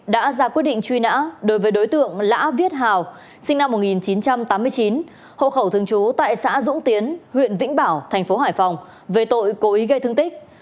đã ra quyết định truy nã đối với đối tượng lã viết hào sinh năm một nghìn chín trăm tám mươi chín hộ khẩu thường trú tại xã dũng tiến huyện vĩnh bảo thành phố hải phòng về tội cố ý gây thương tích